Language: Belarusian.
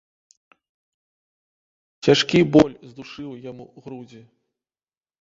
Цяжкі боль здушыў яму грудзі.